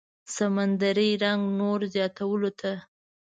سمندري رنګت نور زياتولو ته